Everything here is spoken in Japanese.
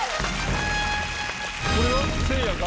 これはせいやが？